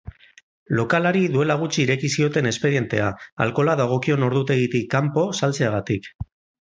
Lokalari duela gutxi ireki zioten espedientea, alkohola dagokion ordutegitik kanpo saltzeagatik.